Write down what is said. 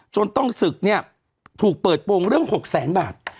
จนต้องศึกเนี่ยถูกเปิดโปรงเรื่อง๖แสนบาท